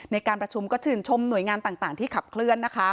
ในการประชุมก็ชื่นชมหน่วยงานต่างที่ขับเคลื่อนนะคะ